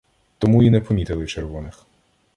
Тому і не помітили червоних.